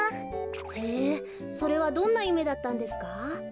へえそれはどんなゆめだったんですか？